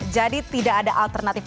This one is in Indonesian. jadi tidak ada alternatif